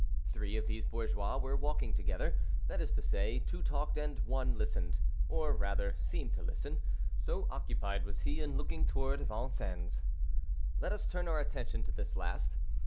Three of these bourgeois were talking together—that is to say, two talked and one listened, or rather seemed to listen, so occupied was he in looking toward Vincennes. Let us turn our attention to this last.